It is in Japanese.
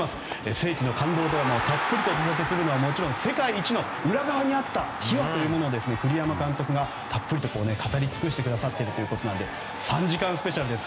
世紀の感動ドラマをたっぷり見れるのはもちろん世界一の裏側にあった秘話を栗山監督が、たっぷりと語りつくしてくださっているということなので３時間スペシャルです。